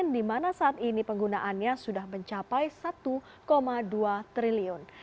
di mana saat ini penggunaannya sudah mencapai satu dua triliun